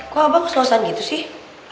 kok abah keselosan gitu sih